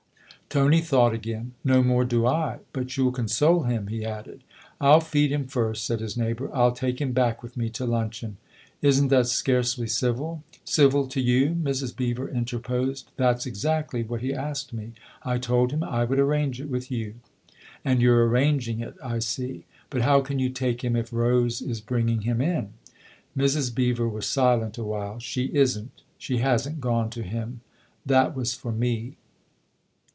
Tony thought again. " No more do I. But you'll console him," he added. "Til feed him first," said his neighbour. "I'll take him back with me to luncheon." " Isn't that scarcely civil ?"" Civil to you ?" Mrs. Beever interposed. " That's exactly what he asked me. I told him I would arrange it with you." " And you're ' arranging ' it, I see. But how can you take him if Rose is bringing him in ?" Mrs. Beever was silent a while. " She isn't. She hasn't gone to him. That was for me."